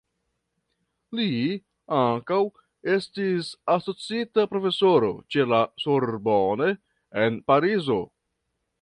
Li ankaŭ estis asociita profesoro ĉe la Sorbonne en Parizo.